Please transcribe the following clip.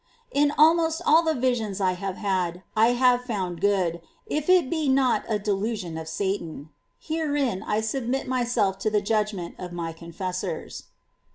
^ 11. In almost all the visions I have had, I „.. Visions. have found good, if it be not a delusion of Satan ; herein I submit myself to the judgment of my confessors.